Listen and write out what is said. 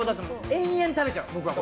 延々食べちゃう。